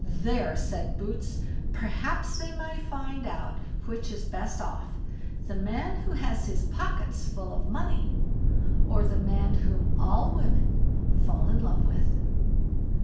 "There", said Boots, "perhaps they may find out which is best off, the man who has his pockets full of money, or the man whom all women fall in love with."